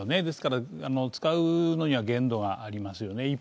ですから使うのには限度がありますよね。